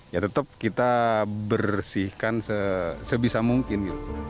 ya tetap kita bersihkan sebisa mungkin gitu